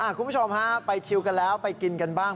คุณผู้ชมฮะไปชิวกันแล้วไปกินกันบ้าง